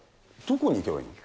どこに行けばいいの？